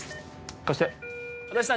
貸して足立さん